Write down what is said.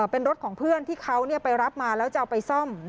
เป็นรถของเพื่อนที่เขาไปรับมาแล้วจะเอาไปซ่อม